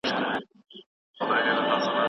عاشقان و عارفان یې ویرانه ده